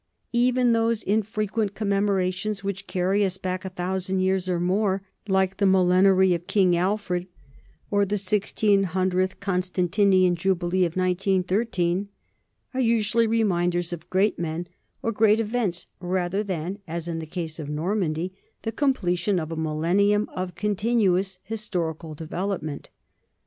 Even those infrequent commemorations which carry us back a thousand years or more, like the millenary of King Alfred or the sixteen hundredth Constantinian jubilee of 1913, are usually re minders of great men or great events rather than, as in the case of Normandy, the completion of a millennium of continuous historical development.